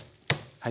はい。